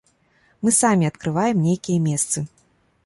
Мы самі адкрываем нейкія месцы.